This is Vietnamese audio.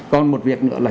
còn một việc nữa là